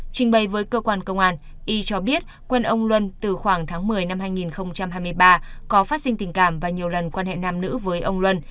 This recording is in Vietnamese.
trình bày với cơ quan công an y cho biết quân ông luân từ khoảng tháng một mươi năm hai nghìn hai mươi ba có phát sinh tình cảm và nhiều lần quan hệ nam nữ với ông luân